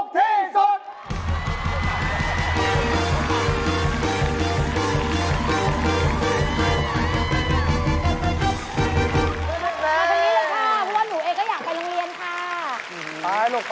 พี่บอล